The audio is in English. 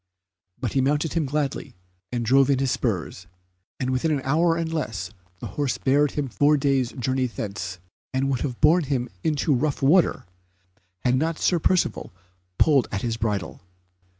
But he mounted him gladly, and drove in his spurs, and within an hour and less the horse bare him four days' journey thence, and would have borne him into a rough water, had not Sir Percivale pulled at his bridle.